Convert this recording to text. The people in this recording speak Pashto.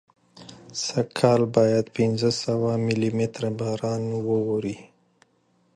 سږکال باید پینځه سوه ملي متره باران واوري.